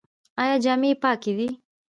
ایا جامې یې پاکې دي؟